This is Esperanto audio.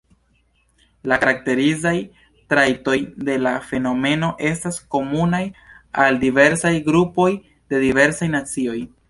La karakterizaj trajtoj de la fenomeno estas komunaj al diversaj grupoj de diversaj nacioj.